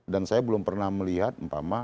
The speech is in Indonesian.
dan saya belum pernah melihat seumpama